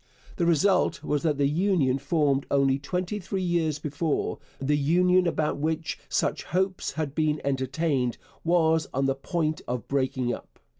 The result was that the Union formed only twenty three years before, the Union about which such high hopes had been entertained, was on the point of breaking up.